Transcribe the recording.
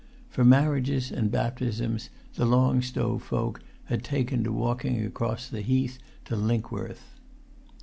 For marriages and baptisms the Long Stow folk had taken to walking across the heath to Linkworth.